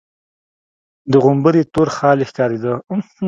د غومبري تور خال يې ښکارېده.